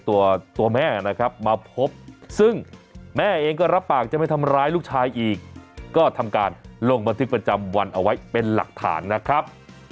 ตัวตัวแม่นะครับมาพบซึ่งแม่เองก็รับปากจะไม่ทำร้ายลูกชายอีกก็ทำการลงบันทึกประจำวันเอาไว้เป็นหลักฐานนะครับ